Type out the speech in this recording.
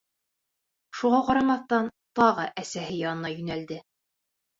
Шуға ҡарамаҫтан, тағы әсәһе янына йүнәлде.